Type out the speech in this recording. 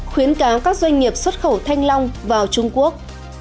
khuyến cáo các doanh nghiệp xuất khẩu thanh long vào trung quốc